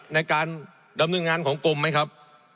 ในการดำเนินงานของกรมไหมครับ